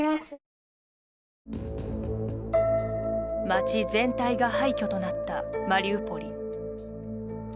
街全体が廃墟となったマリウポリ。